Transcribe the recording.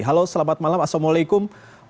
halo selamat malam assalamualaikum